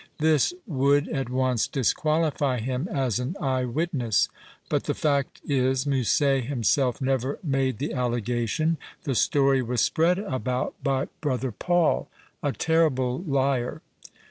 This would at once disqualify him as an eye witness. But the fact is Musset himself never made the allegation ; the story was spread about by 242 PAGELLO brother Paul, a terrible liar.